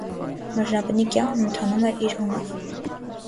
Մրջնաբնի կյանքն ընթանում էր իր հունով։